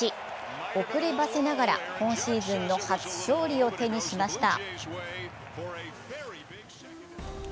遅ればせながら今シーズンの初勝利を手にしました。